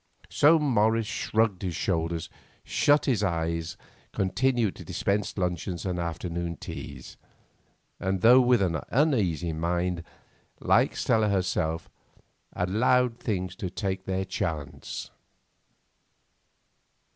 So Morris shrugged his shoulders, shut his eyes, continued to dispense luncheons and afternoon teas, and though with an uneasy mind, like Stella herself, allowed things to take their chance.